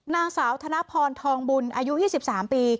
นางสาวธนพรทองบุญอายุ๒๓ปี